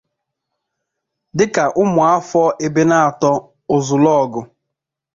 dịka ụmụafọ Ebenator Ozulọgụ